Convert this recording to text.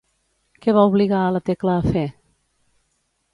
Què va obligar a la Tecla a fer?